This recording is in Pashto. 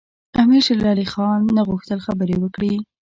امیر شېرعلي خان نه غوښتل خبرې وکړي.